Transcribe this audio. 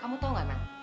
kamu tau gak man